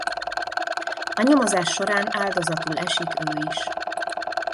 A nyomozás során áldozatul esik ő is.